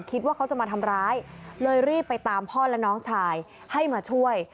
คิดว่าเขาจะมาทำร้ายเลยรีบไปตามพ่อและน้องชายให้มาช่วย